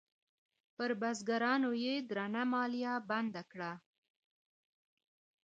پر بزګرانو یې درنه مالیه بنده کړه.